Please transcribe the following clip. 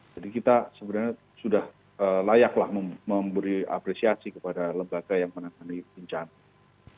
jadi kita sebenarnya sudah layaklah memberi apresiasi kepada lembaga yang menangani bencana